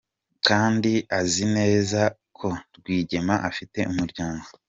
Kandi azi neza ko Rwigema afite umuryango?